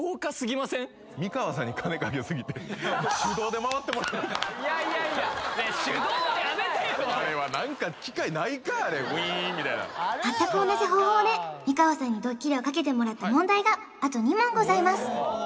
まったく同じ方法で美川さんにドッキリをかけてもらった問題があと２問ございます